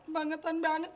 bangetan banget sih